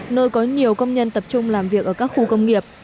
nơi có nhiều công nhân tập trung làm việc ở các khu công nghiệp